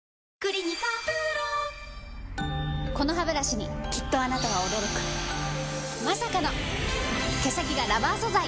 このハブラシにきっとあなたは驚くまさかの毛先がラバー素材！